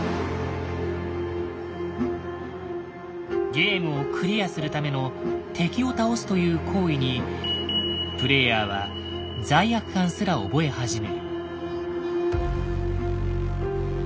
ゲームをクリアするための「敵を倒す」という行為にプレイヤーは罪悪感すら覚え始める。